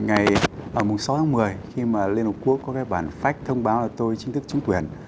ngày sáu tháng một mươi khi liên hợp quốc có bản phách thông báo tôi chính thức trúng tuyển